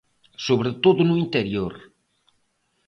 Sobre todo, no interior.